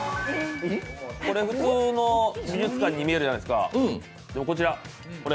これ、普通の美術館に見えるじゃないですか。